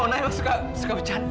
gini nona emang suka becanda